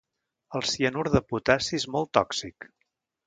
El cianur de potassi és molt tòxic.